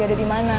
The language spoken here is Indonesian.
dia ada dimana